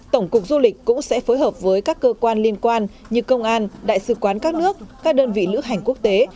tổng cục du lịch cũng sẽ phối hợp với các cơ quan liên quan như công an đại sứ quán các nước các đơn vị lữ hành quốc tế